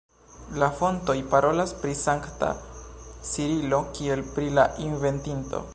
La fontoj parolas pri sankta Cirilo kiel pri la inventinto.